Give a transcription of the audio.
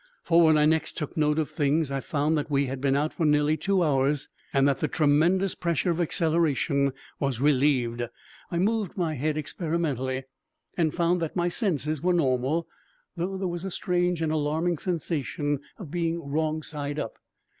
For when I next took note of things I found that we had been out for nearly two hours and that the tremendous pressure of acceleration was relieved. I moved my head, experimentally and found that my senses were normal, though there was a strange and alarming sensation of being wrong side up.